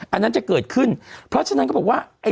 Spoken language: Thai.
อันนั้นจะเกิดขึ้นเพราะฉะนั้นก็บอกว่า